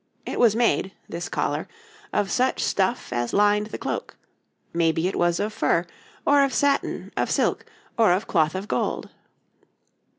It was made, this collar, of such stuff as lined the cloak, maybe it was of fur, or of satin, of silk, or of cloth of gold.